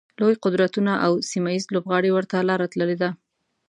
لوی قدرتونه او سیمه ییز لوبغاړي ورته لاره تللي دي.